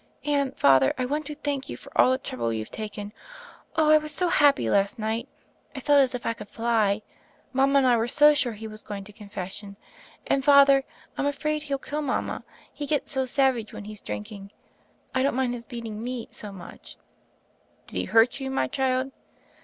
"And, Father, I want to thank you for all the trouble youVe taken. Oh, I was so happy last night. I felt as if I could fly. Mama and I were so sure he was going to confession. And, Father, I'm afraid he'll kill mama: he gets so savage when he's drinking. I don't mind his beating me— so much." "Did he hurt you, my child?"